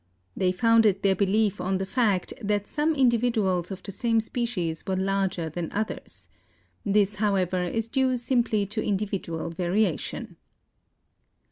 They founded their belief on the fact that some individuals of the same species were larger than others. This, however, is due simply to individual variation.